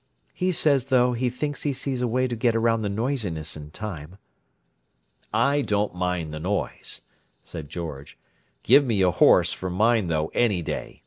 He says, though, he thinks he sees a way to get around the noisiness in time." "I don't mind the noise," said George. "Give me a horse, for mine, though, any day.